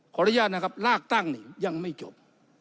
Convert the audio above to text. ขออนุญาตนะครับลากตั้งนี่ยังไม่จบ